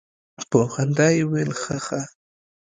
په خندا يې وويل خه خه.